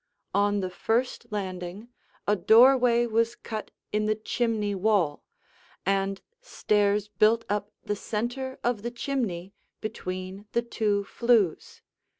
On the first landing a doorway was cut in the chimney wall, and stairs built up the center of the chimney between the two flues.